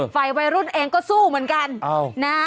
วัยรุ่นเองก็สู้เหมือนกัน